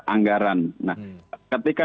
anggaran nah ketika